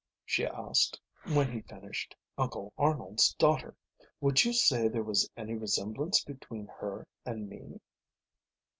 she asked when he finished. "Uncle Arnold's daughter. Would you say there was any resemblance between her and me?"